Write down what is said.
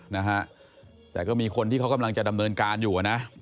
นะฮะแต่ก็มีคนที่เขากำลังจะดำเนินการอยู่อ่ะนะ